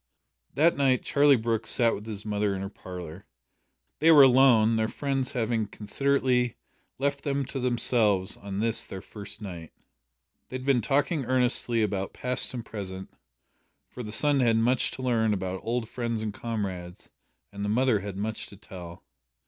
That night Charlie Brooke sat with his mother in her parlour. They were alone their friends having considerately left them to themselves on this their first night. They had been talking earnestly about past and present, for the son had much to learn about old friends and comrades, and the mother had much to tell.